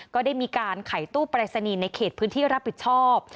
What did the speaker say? ก็ได้มีการขายตู้ปรายศนีย์ในเขตพื้นที่รับผิดชอบ